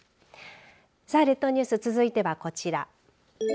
さあ、列島ニュース続いてはこちら。